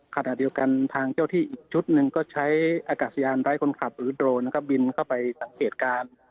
ขณะเดียวกันทางเจ้าที่อีกชุดหนึ่งก็ใช้อากาศยานไร้คนขับหรือโดรนนะครับบินเข้าไปสังเกตการณ์